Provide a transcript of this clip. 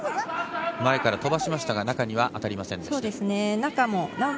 前から飛ばしましたが、中には当たりませんでした。